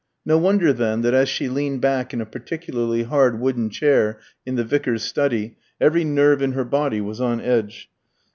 No wonder, then, that as she leaned back in a particularly hard wooden chair in the vicar's study every nerve in her body was on edge.